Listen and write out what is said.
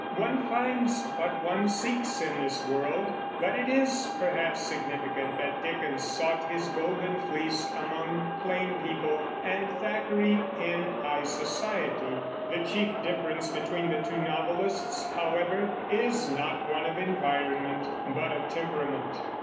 One finds what one seeks in this world, but it is perhaps significant that Dickens sought his golden fleece among plain people, and Thackeray in high society. The chief difference between the two novelists, however, is not one of environment but of temperament.